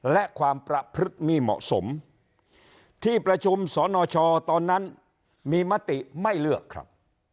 และความประพฤกษ์ไม่เหมาะสมที่ประชุมสนชตอนนั้นมีมติไม่เลือกครับ